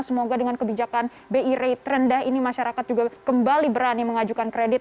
semoga dengan kebijakan bi rate terendah ini masyarakat juga kembali berani mengajukan kredit